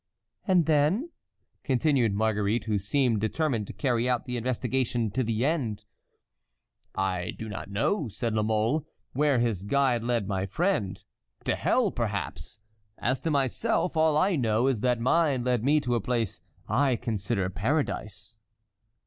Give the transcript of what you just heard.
"And then?" continued Marguerite, who seemed determined to carry out the investigation to the end. "I do not know," said La Mole, "where his guide led my friend. To hell, perhaps. As to myself, all I know is that mine led me to a place I consider paradise."